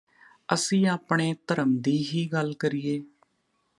ਅਸੀਂ ਆਪਣੇ ਧਰਮ ਦੀ ਹੀ ਗੱਲ ਕਰੀਏ